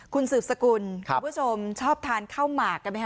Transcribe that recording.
คุณสืบสกุลทุกคนชอบทานข้าวหมากจ่ะมั้ยคะ